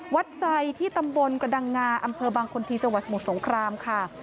ไซที่ตำบลกระดังงาอำเภอบางคนที่จังหวัดสมุทรสงครามค่ะ